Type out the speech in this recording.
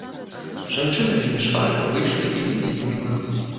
Жанчына вельмі шпарка выйшла і недзе знікла.